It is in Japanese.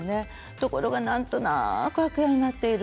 ところがなんとなく空き家になっている。